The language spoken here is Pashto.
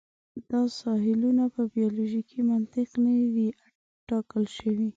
دا ساحلونه په بیولوژیکي منطق نه وې ټاکل شوي.